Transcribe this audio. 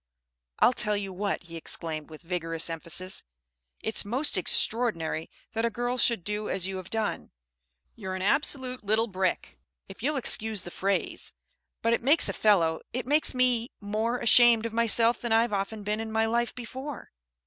"I'll tell you what," he exclaimed with vigorous emphasis, "it's most extraordinary that a girl should do as you have done. You're an absolute little brick, if you'll excuse the phrase. But it makes a fellow it makes me more ashamed of myself than I've often been in my life before."